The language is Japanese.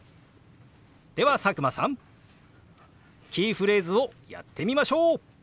では佐久間さんキーフレーズをやってみましょう！